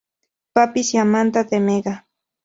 Papis" y "Amanda" de Mega.